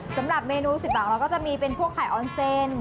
สำหรับเมนู๑๐บาทเราก็จะมีเป็นพวกไข่ออนเซน